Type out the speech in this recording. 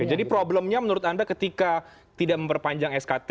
jadi problemnya menurut anda ketika tidak memperpanjang skt